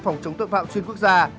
phòng chống tượng phạm chuyên quốc gia